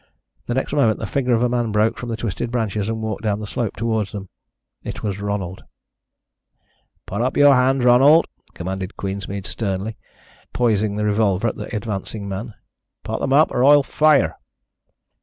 The next moment the figure of a man broke from the twisted branches and walked down the slope towards them. It was Ronald. "Put up your hands, Ronald," commanded Queensmead sternly, poising the revolver at the advancing man. "Put them up, or I'll fire."